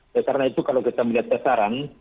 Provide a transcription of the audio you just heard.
oleh karena itu kalau kita melihat sasaran